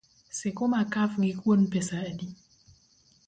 Sikuma kaf gi kuon pesa adi?